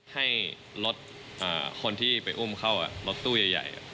ให้รถคนที่ไปอุ้มเข้ารถตู้ใหญ่